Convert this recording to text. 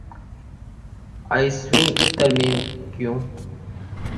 ائیسویں ترمیم کیوں؟